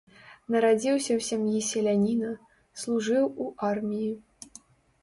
Нарадзіўся ў сям'і селяніна, служыў у арміі.